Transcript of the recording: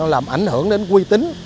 làm ảnh hưởng đến quy tính